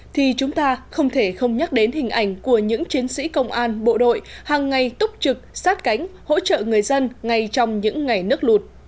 thì chúng ta không thể không nhắc đến hình ảnh của những chiến sĩ công an bộ đội hàng ngày túc trực sát cánh hỗ trợ người dân ngay trong những ngày nước lụt